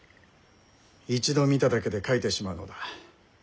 一度見ただけで描いてしまうのだ。